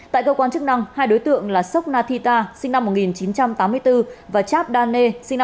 tại cơ quan chức năng hai đối tượng là sok nathita sinh năm một nghìn chín trăm tám mươi bốn và chap dane sinh năm một nghìn chín trăm chín mươi năm